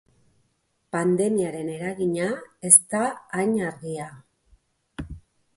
Pandemiaren eragina ez da hain argia.